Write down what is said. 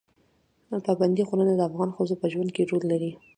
پابندی غرونه د افغان ښځو په ژوند کې رول لري.